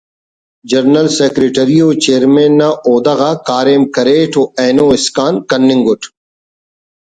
general secretary و چیئرمین نا عہدہ غا کاریم کریٹ و اینو اسکان کننگ اُٹ